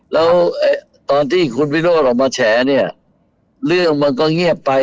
แล้วตอนที่คุณวิโรธออกมาแฉเนี่ยเรื่องมันก็เงียบไป